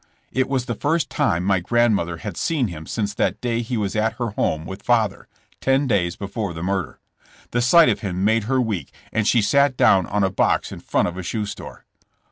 It was the first time my grandmother had seen him since that day he was at her home with father, ten days before the murder. The sight of him made her weak and she sat down on a box in front of a shoe store.